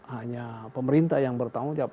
hanya pemerintah yang bertanggung jawab